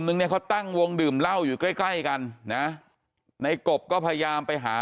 นึงเนี่ยเขาตั้งวงดื่มเหล้าอยู่ใกล้ใกล้กันนะในกบก็พยายามไปหา